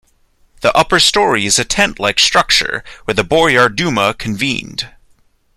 The upper story is a tent-like structure where the Boyar Duma convened.